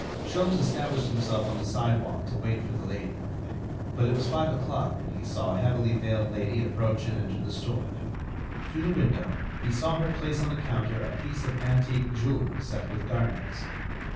Sholmes established himself on the sidewalk to wait for the lady, but it was five o'clock when he saw a heavily veiled lady approach and enter the store. Through the window he saw her place on the counter a piece of antique jewelry set with garnets.